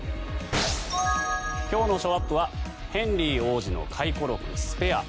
今日のショーアップはヘンリー王子の回顧録「スペア」。